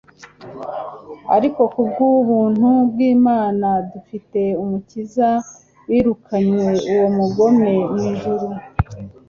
ariko kubw'ubtmtu bw'linana dufite Umukiza wirukanye uwo mugome mu ijuru.